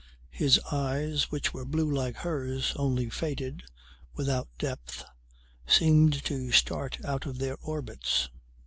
His eyes which were blue like hers, only faded, without depth, seemed to start out of their orbits.